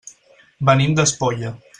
Venim d'Espolla.